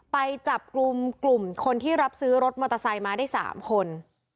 ไปจับกลุ่มกลุ่มคนที่รับซื้อรถมอเตอร์ไซค์มาได้๓คน